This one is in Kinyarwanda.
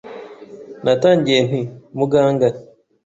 Natangiye nti: “Muganga -”.